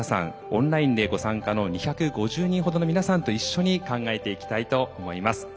オンラインでご参加の２５０人ほどの皆さんと一緒に考えていきたいと思います。